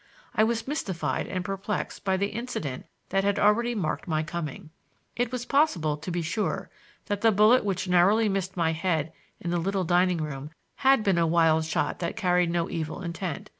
I was mystified and perplexed by the incident that had already marked my coming. It was possible, to be sure, that the bullet which narrowly missed my head in the little dining room had been a wild shot that carried no evil intent.